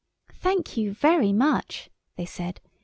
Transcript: "Thank you very much," they said.